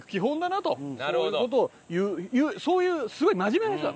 そういう事を言うそういうすごい真面目な人なの。